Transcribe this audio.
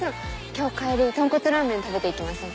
今日帰りとんこつラーメン食べて行きません？